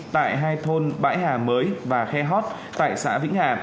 tại hai thôn bãi hà mới và khe hót tại xã vĩnh hà